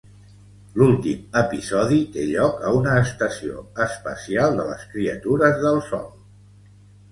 L'últim episodi té lloc a una estació espacial de les criatures del Sol.